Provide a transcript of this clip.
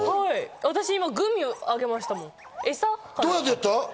私、今、グミあげましたもん。